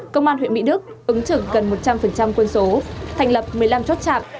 công an huyện mỹ đức ứng trực gần một trăm linh quân số thành lập một mươi năm chốt chạm